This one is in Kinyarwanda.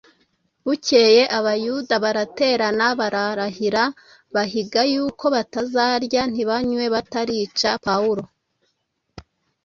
Bukeye Abayuda baraterana, bararahira bahiga yuko batazarya ntibanywe batarica Pawulo